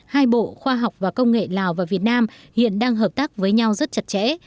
hai bộ khoa học và công nghệ lào và việt nam hiện đang hợp tác với nhau rất chặt chẽ